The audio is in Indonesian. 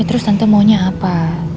terus tante maunya apa